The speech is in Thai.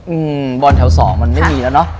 อืมบอลแถวสองมันไม่มีแล้วเนอะ